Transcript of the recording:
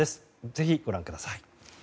ぜひご覧ください。